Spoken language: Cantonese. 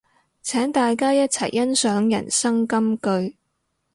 請大家一齊欣賞人生金句